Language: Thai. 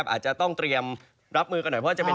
แต่ว่าในช่วงบ่ายนะครับอากาศค่อนข้างร้อนและอุ๊บนะครับ